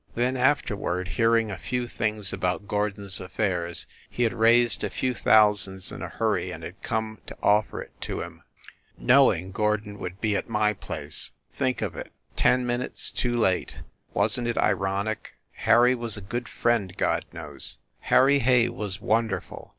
Then, afterward, hearing a few things about Gordon s affairs, he had raised a few thou sands in a hurry and had come to offer it to him ... knowing Gordon would be at my place. ... Think of it! Ten minutes too late. ... wasn t it ironic? Harry was a good friend, God knows. ... Harry Hay was wonderful